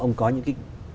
ông có những cái